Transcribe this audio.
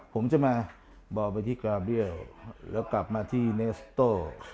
ผมจะมาบอกไปที่กราเบียลแล้วกลับมาที่เนสโต้